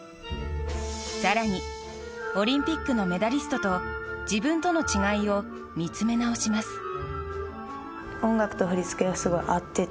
更にオリンピックのメダリストと自分との違いを見つめ直します。